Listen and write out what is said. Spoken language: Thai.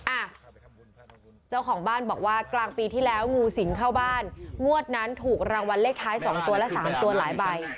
อ่ะเจ้าของบ้านบอกว่ากลางปีที่แล้วงูสิงเข้าบ้านงวดนั้นถูกรางวัลเลขท้าย๒ตัวและสามตัวหลายใบ